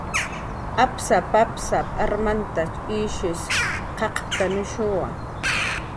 "Apsap"" apsap"" armantach ishw q'aqptanushu "